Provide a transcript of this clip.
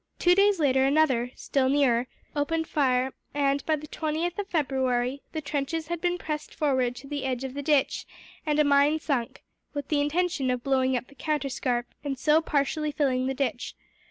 Two days later another, still nearer, opened fire and, by the 20th of February, the trenches had been pressed forward to the edge of the ditch; and a mine sunk, with the intention of blowing up the counterscarp, and so partially filling the ditch.